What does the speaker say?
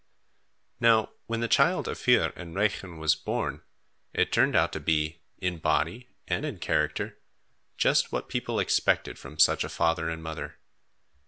Now when the child of Vuur and Regen was born, it turned out to be, in body and in character, just what people expected from such a father and mother.